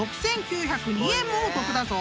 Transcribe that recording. ［６，９０２円もお得だぞ！］